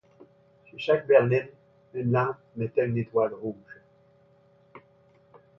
Sur chaque berline, une lampe mettait une étoile rouge.